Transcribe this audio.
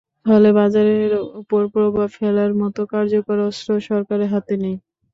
ফলে বাজারের ওপর প্রভাব ফেলার মতো কার্যকর অস্ত্র সরকারের হাতে নেই।